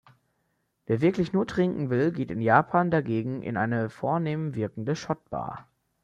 Wer wirklich nur trinken will, geht in Japan dagegen in eine vornehm wirkende Shot-Bar.